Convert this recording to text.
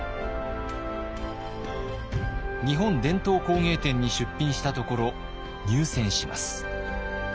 日本伝統工芸展に出品したところ入選します。